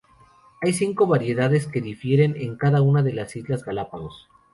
Hay cinco variedades que difieren en cada una de las islas Galápagos.